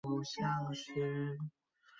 白颊山鹧鸪为雉科山鹧鸪属的鸟类。